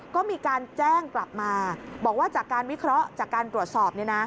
ก็มีการแจ้งกลับมาบอกว่าจากการวิเคราะห์จากการตรวจสอบ